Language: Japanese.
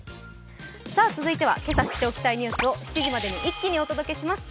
続いてはけさ知っておきたいニュースを７時までに一気にお届けします。